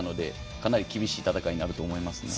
かなり厳しい戦いになると思いますね。